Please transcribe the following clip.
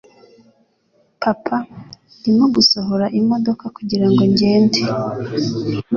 Papa, ndimo gusohora imodoka kugirango ngende.